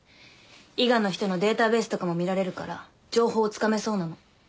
伊賀の人のデータベースとかも見られるから情報をつかめそうなの。